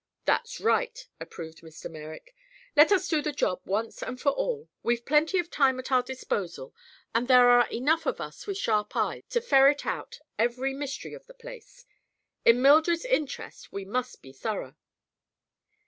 "That's right," approved Mr. Merrick. "Let us do the job once and for all. We've plenty of time at our disposal and there are enough of us with sharp eyes to ferret out every mystery of the place. In Mildred's interest we must be thorough."